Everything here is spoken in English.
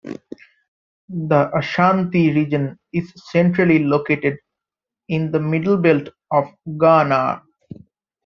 The Ashanti Region is centrally located in the middle belt of Ghana.